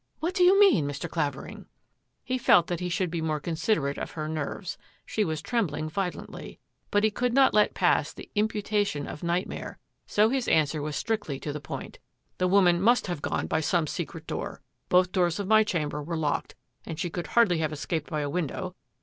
" What do you mean, Mr. Clavering? " He felt that he should be more considerate of her nerves — she was trembling violently — but he could not let pass the imputation of nightmare, so his answer was strictly to the point. " The woman must have gone by some secret door. Both doors of my chamber were locked and she could hardly have escaped by a window.